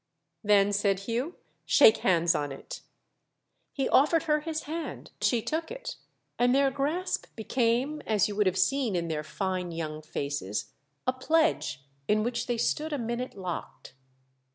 "Then," said Hugh, "shake hands on it" He offered her his hand, she took it, and their grasp became, as you would have seen in their fine young faces, a pledge in which they stood a minute locked.